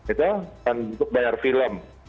untuk bayar film